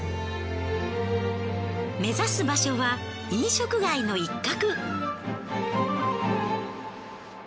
目指す場所は飲食街の一角。